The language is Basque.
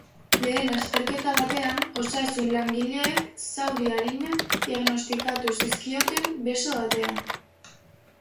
Lehen azterketa batean, osasun-langileek zauri arinak diagnostikatu zizkioten beso batean.